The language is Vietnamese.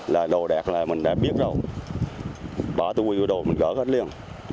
là đồ đẹp là mình đã biết rồi bỏ từ quỳ của đồ mình gỡ hết liền